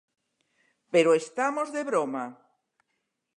¿Pero estamos de broma?